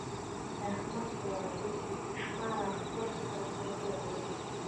د احمد په واده کې بې شماره خپل او پردي راغلي وو.